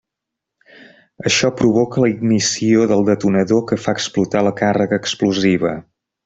Això provoca la ignició del detonador que fa explotar la càrrega explosiva.